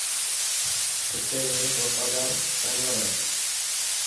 ڪتي هڪ وفادار جانور آهي.